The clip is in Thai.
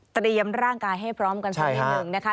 เตรียมร่างกายให้พร้อมกันสักนิดหนึ่งนะคะ